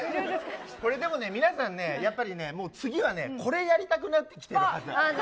これでもね、皆さんね、やっぱりね、もう次はこれやりたくなってきてるはず。